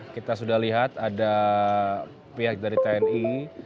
kita sudah lihat ada pihak dari tni